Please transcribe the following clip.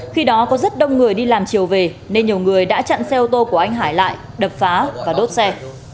khi đó có rất đông người đi làm chiều về nên nhiều người đã chặn xe ô tô của anh hải lại đập phá và đốt xe